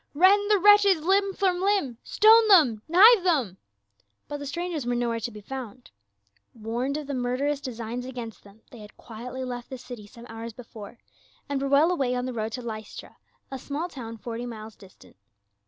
" Rend the wretches limb from limb ! Stone them ! Knive them !" But the strangers were nowhere to be found ; warned of the murderous designs against them, they had quietly left the city some hours before and were well away on the road to Lystra, a small town forty miles distant.